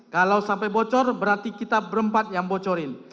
kalau sampai bocor berarti kita berempat yang bocorin